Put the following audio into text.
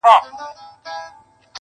په جرس د ابادۍ د قافیلو به راویښ نه سم،